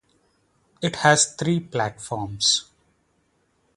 It has three platforms.